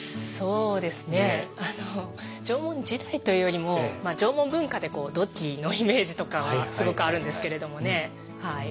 そうですね縄文時代というよりもまあ縄文文化で土器のイメージとかはすごくあるんですけれどもね。